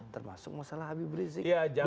termasuk masalah habib rizieq dan lain lain